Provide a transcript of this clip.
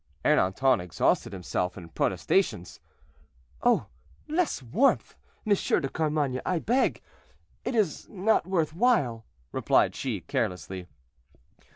Ernanton exhausted himself in protestations. "Oh! less warmth, M. de Carmainges, I beg; it is not worth while," replied she, carelessly.